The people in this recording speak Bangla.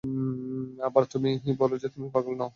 আবার তুমি বলো যে তুমি পাগল নও।